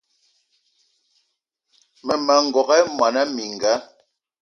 Mmema n'gogué mona mininga